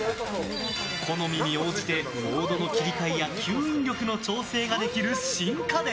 好みに応じてモードの切り替えや吸引力の調整ができる新家電。